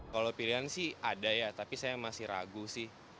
kalau pilihan sih ada ya tapi saya masih ragu sih